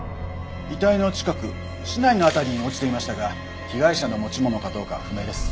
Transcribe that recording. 遺体の近く竹刀の辺りに落ちていましたが被害者の持ち物かどうかは不明です。